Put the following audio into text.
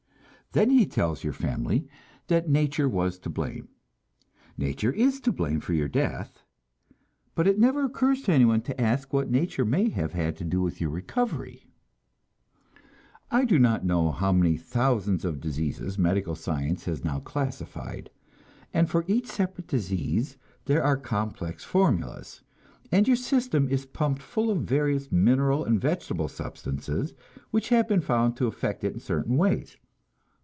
Then he tells your family that nature was to blame. Nature is to blame for your death, but it never occurs to anyone to ask what nature may have had to do with your recovery. I do not know how many thousands of diseases medical science has now classified. And for each separate disease there are complex formulas, and your system is pumped full of various mineral and vegetable substances which have been found to affect it in certain ways.